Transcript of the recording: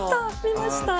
見ました。